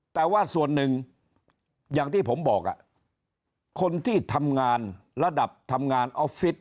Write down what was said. แต่ว่าส่วนหนึ่งอย่างที่ผมบอกคนที่ทำงานระดับทำงานออฟฟิศ